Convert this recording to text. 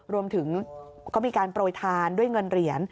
รวมถึงก็มีการโปรยทานด้วยเงินเหรียญ